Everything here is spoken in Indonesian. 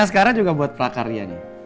ini askara juga buat prakarya nih